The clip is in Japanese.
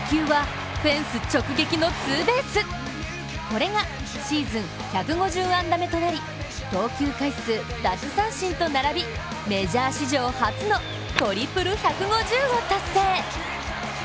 これがシーズン１５０安打目となり投球回数、奪三振と並び、メジャー史上初のトリプル１５０を達成。